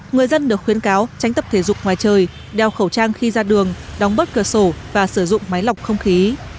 người dân được khuyến cáo tránh tập thể dục ngoài trời đeo khẩu trang khi ra đường đóng bớt cửa sổ và sử dụng máy lọc không khí